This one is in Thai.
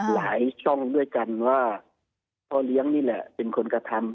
ช่องด้วยกันว่าพ่อเลี้ยงนี่แหละเป็นคนกระทำ